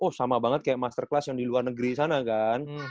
oh sama banget kayak master class yang di luar negeri sana kan